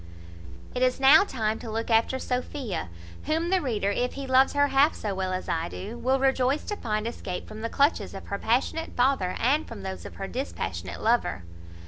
It is now time to look after Sophia; whom the reader, if he loves her half so well as I do, will rejoice to find escaped from the clutches of her passionate father, and from those of her dispassionate lover.